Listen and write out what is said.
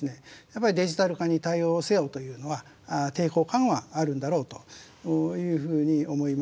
やっぱりデジタル化に対応せよというのは抵抗感はあるんだろうというふうに思います。